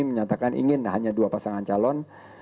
menyatakan ingin hanya dua pasangan calon